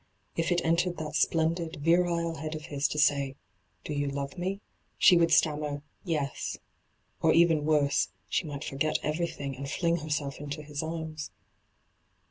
If it entered that splendid, virile head of his to say, ' Do you love me V she would stammer ' Yea '— or, even worse, she might foi^et everything and fling herself into his arms.